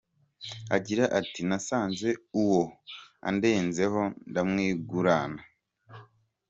Agira ati “nasanze uwo andenzeho ndamwigurana.